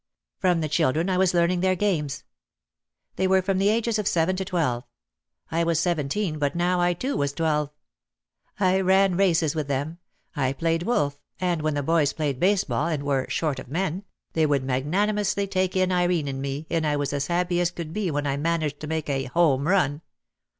From the children I was learning their games. They were from the ages of seven to twelve; I was seventeen but now I too was twelve. I ran races with them. I played wolf and when the boys played baseball and were "short of men," they would magnanimously take in Irene and me and I was as happy as could be when I managed to make "a home run."